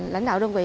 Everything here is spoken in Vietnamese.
lãnh đạo đơn vị